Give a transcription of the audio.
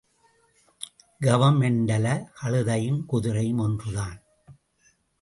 கவர்மென்ட்ல கழுதையும் குதிரையும் ஒன்றுதான்.